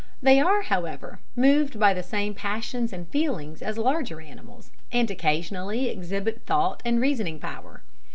They are, however, moved by the same passions and feelings as larger animals, and occasionally exhibit thought and reasoning power.